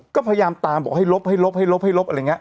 ก็พยายามตามบอกให้ลบให้ลบให้ลบให้ลบอะไรอย่างนี้